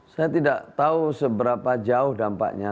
saya tidak tahu seberapa jauh dampaknya